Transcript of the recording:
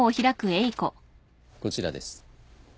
こちらです。